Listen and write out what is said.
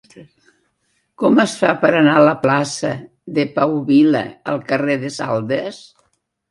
Com es fa per anar de la plaça de Pau Vila al carrer de Saldes?